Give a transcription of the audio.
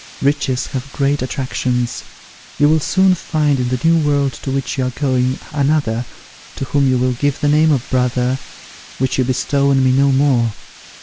Riches have great attractions. You will soon find in the new world to which you are going, another, to whom you will give the name of brother, which you bestow on me no more.